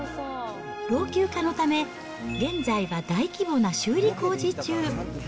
老朽化のため、現在は大規模な修理工事中。